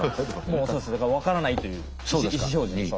分からないという意思表示。